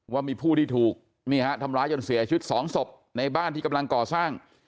ว่ามีผู้ที่ถูกนี่ฮะทำร้ายจนเสียชีวิตสองศพในบ้านที่กำลังก่อสร้าง